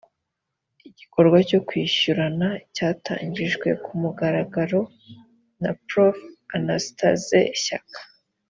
igikorwa cyo kwishyurana cyatangijwe ku mugaragaro na prof anastaze shyaka